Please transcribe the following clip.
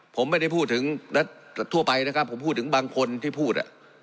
ผมไม่ได้พูดถึงทั่วไปนะครับผมพูดถึงบางคนที่พูด